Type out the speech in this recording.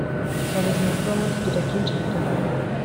mubuzima tubamo tugira byinshi bituvuna